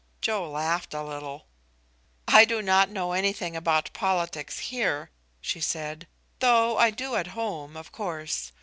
Joe laughed a little. "I do not know anything about politics here," she said, "though I do at home, of course.